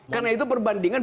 karena itu perbandingan